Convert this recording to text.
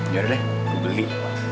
gak ada deh gue beli